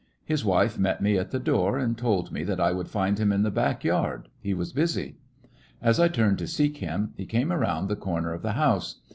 His wife met me at the door and told me that I would find him in the back yard— he was busy. As I turned to seek him, he came around the corner of the house.